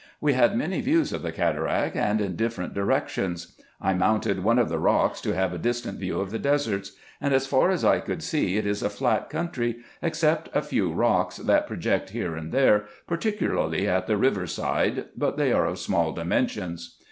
We had many views of the cataract, and in different directions. I mounted one of the rocks, to have a distant view of the deserts ; IN EGYPT, NUBIA, &c. 87 and as far as I could see it is a flat country, except a few rocks that project here and there, particularly at the river's side, but they are of small dimensions.